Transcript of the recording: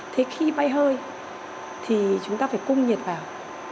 thế khi bay hơi thì chúng ta phải cung nhiệt vào